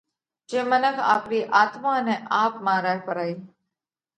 جي منک آپرِي آتما نئہ آپ مارئھ پرئي۔